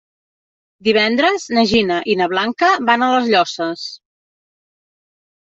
Divendres na Gina i na Blanca van a les Llosses.